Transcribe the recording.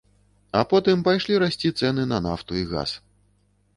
А потым пайшлі расці цэны на нафту і газ.